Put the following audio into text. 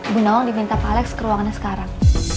bu nawang diminta pak alex ke ruangannya sekarang